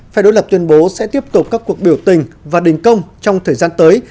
phe đối lập tuyên bố sẽ tiếp tục các cuộc biểu tình và đình công trong thời gian tới